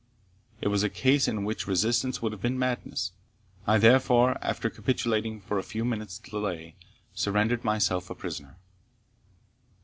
It was a case in which resistance would have been madness; I therefore, after capitulating for a few minutes' delay, surrendered myself a prisoner.